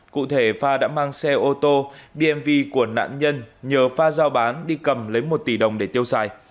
cụ thể phan đã mang xe ô tô bmw của nạn nhân nhờ phan giao bán đi cầm lấy một tỷ đồng để tiêu xài